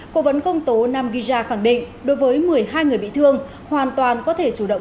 cố vấn công tố nam giza khẳng định đối với một mươi hai người bị thương hoàn toàn có thể chủ động